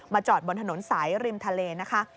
จอดบนถนนสายริมทะเลนะคะ